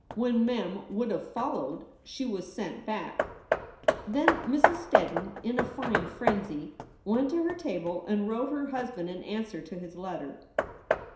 When Mem would have followed, she was sent back. Then Mrs. Steddon, in a fine frenzy, went to her table and wrote her husband an answer to his letter.